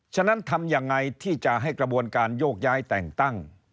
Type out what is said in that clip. ฉะนั้นทำยังไงที่จะให้กระบวนการโยกย้ายแต่งตั้ง